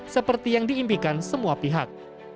seperti yang diimpikan semua pihak